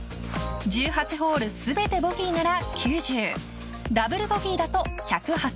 １８ホール全てボギーなら９０ダブルボギーだと１０８。